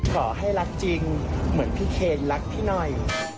ขอให้รักจริงเหมือนพี่เคนรักพี่หน่อย